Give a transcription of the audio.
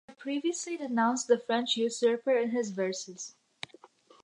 He had previously denounced the French usurper in his verses.